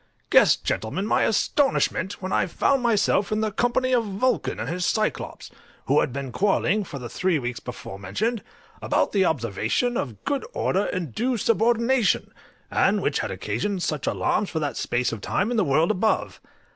Guess, gentlemen, my astonishment, when I found myself in the company of Vulcan and his Cyclops, who had been quarrelling, for the three weeks before mentioned, about the observation of good order and due subordination, and which had occasioned such alarms for that space of time in the world above.